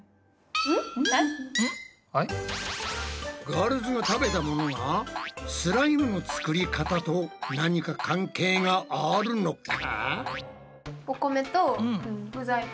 ガールズが食べたものがスライムの作り方と何か関係があるのか？